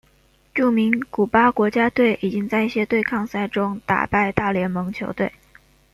著名古巴国家队已经在一些对抗赛中打败大联盟球队。